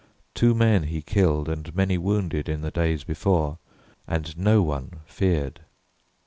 Two men he killed And many wounded in the days before, And no one feared.